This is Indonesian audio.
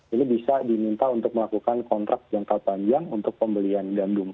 ini bisa diminta untuk melakukan kontrak jangka panjang untuk pembelian gandum